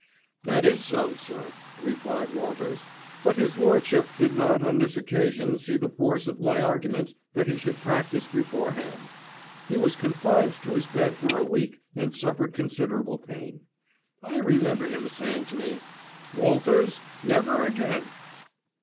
"That is so, sir," replied Walters, "But his Lordship did not on this occasion see the force of my arguments that he should practise beforehand. He was confined to his bed for a week and suffered considerable pain. I remember him saying to me: "'Walters, never again.